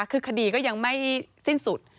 คือคดีก็ยังไม่สิ้นสุด